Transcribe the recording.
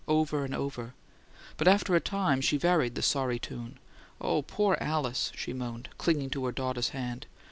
over and over, but after a time she varied the sorry tune. "Oh, poor Alice!" she moaned, clinging to her daughter's hand.